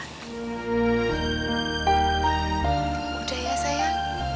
sudah ya sayang